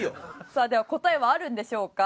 さあでは答えはあるんでしょうか？